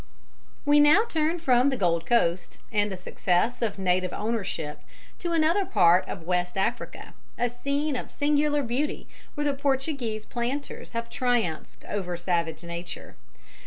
We now turn from the Gold Coast and the success of native ownership to another part of West Africa, a scene of singular beauty, where the Portuguese planters have triumphed over savage nature.